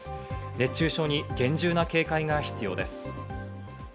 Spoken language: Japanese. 熱中症に厳重な警戒が必要です。